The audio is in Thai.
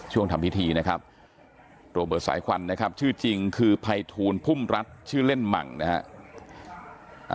ทำพิธีนะครับโรเบิร์ตสายควันนะครับชื่อจริงคือภัยทูลพุ่มรัฐชื่อเล่นหมั่งนะฮะ